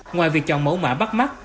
ngoài việc chọn mẫu mã bắt mắt